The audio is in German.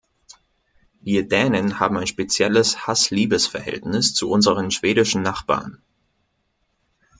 Wir Dänen haben ein spezielles Hass-Liebes-Verhältnis zu unseren schwedischen Nachbarn.